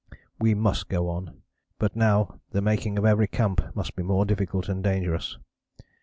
We must go on, but now the making of every camp must be more difficult and dangerous.